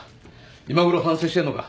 今ごろ反省してんのか。